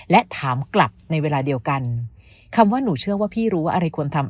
และถามกลับในเวลาเดียวกันคำว่าหนูเชื่อว่าพี่รู้ว่าอะไรควรทำ